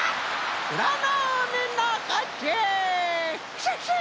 クシャシャ！